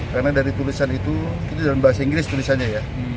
karena dari tulisan itu itu dalam bahasa inggris tulisannya ya